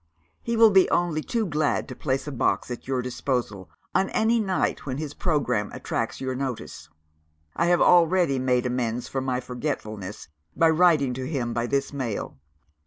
He will be only too glad to place a box at your disposal, on any night when his programme attracts your notice; I have already made amends for my forgetfulness, by writing to him by this mail.